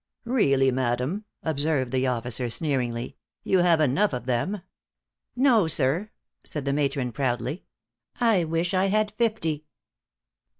"Really, madam," observed the officer, sneeringly, "you have enough of them." "No sir," said the matron, proudly, "I wish I had fifty."